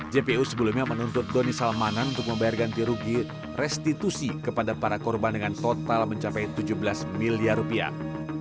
jpu sebelumnya menuntut doni salmanan untuk membayar ganti rugi restitusi kepada para korban dengan total mencapai tujuh belas miliar rupiah